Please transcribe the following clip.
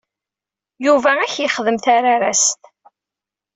Yuba ad ak-yexdem tararast.